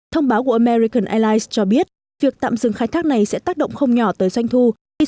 thông báo của american airlines cho biết việc tạm dừng khai thác này sẽ tác động không nhỏ tới doanh thu